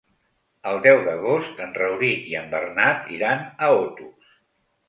El deu d'agost en Rauric i en Bernat iran a Otos.